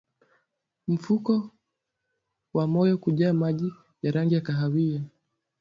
Mfuko wa moyo kujaa maji ya rangi ya kahawia